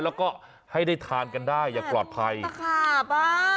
แล้วก็ให้ได้ทานกันได้อย่างปลอดภัยขาบ้า